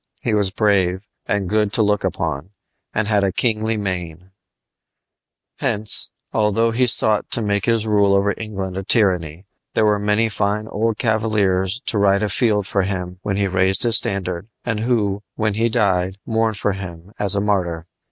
He was brave, and good to look upon, and had a kingly mien. Hence, although he sought to make his rule over England a tyranny, there were many fine old cavaliers to ride afield for him when he raised his standard, and who, when he died, mourned for him as a "martyr."